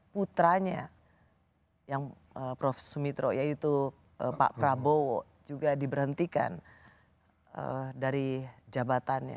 putranya yang prof sumitro yaitu pak prabowo juga diberhentikan dari jabatannya